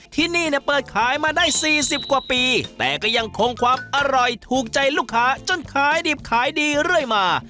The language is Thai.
ที่นี่เนี่ยเปิดขายมาได้๔๐กว่าปีแต่ก็ยังคงความอร่อยถูกใจลูกค้าจนขายดิบขายดีเรื่อยมา